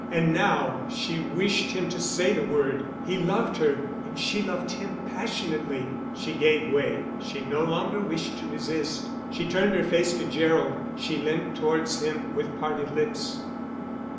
And now she wished him to say the word; he loved her, and she loved him passionately. She gave way; she no longer wished to resist. She turned her face to Gerald; she leant towards him with parted lips.